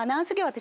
私